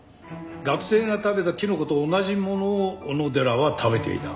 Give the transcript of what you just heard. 学生が食べたキノコと同じものを小野寺は食べていた。